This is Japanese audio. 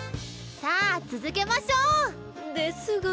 さあ続けましょう！ですが。